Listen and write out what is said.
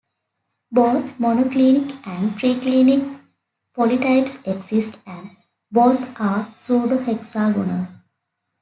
Both monoclinic and triclinic polytypes exist and both are pseudohexagonal.